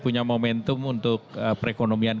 punya momentum untuk perekonomian